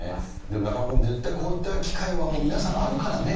でも中丸君、絶対こういった機会はもう皆さんあるからね。